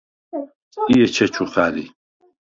სი ეჩეჩუ ხა̈რი.